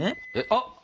あっ！